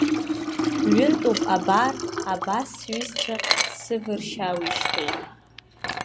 Ҩынтәуп абар, абас сҩызцәа сывыршьаауеижьҭеи!